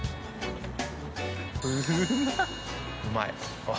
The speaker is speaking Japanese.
うまい？